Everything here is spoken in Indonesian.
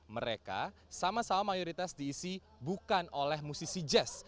mereka sama sama mayoritas diisi bukan oleh musisi jazz